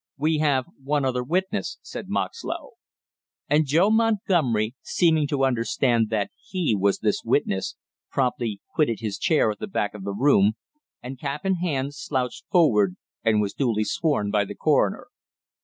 "We have one other witness," said Moxlow. And Joe Montgomery, seeming to understand that he was this witness, promptly quitted his chair at the back of the room and, cap in hand, slouched forward and was duly sworn by the coroner.